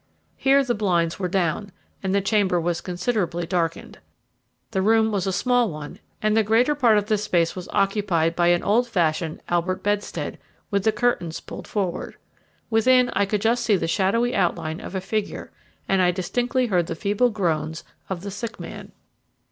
Here the blinds were down, and the chamber was considerably darkened. The room was a small one, and the greater part of the space was occupied by an old fashioned Albert bedstead with the curtains pulled forward. Within I could just see the shadowy outline of a figure, and I distinctly heard the feeble groans of the sick man.